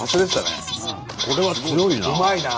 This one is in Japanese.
これは強いな！